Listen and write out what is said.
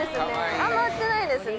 あんま売ってないですね